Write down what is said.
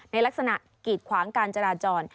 ในลักษณะกีดขวางการจราจร